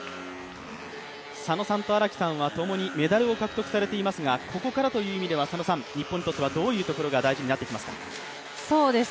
佐野さんと荒木さんは共にメダルを獲得されていますがここからという意味では日本にとってはどういうところが大事になってきますか？